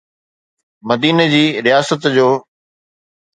مديني جي رياست جو.